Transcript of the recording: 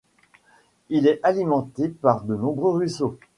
Il est alimenté par de nombreux ruisseaux.